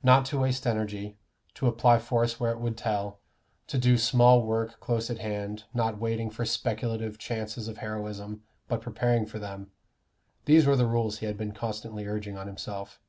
"Not to waste energy, to apply force where it would tell, to do small work close at hand, not waiting for speculative chances of heroism, but preparing for them" these were the rules he had been constantly urging on himself.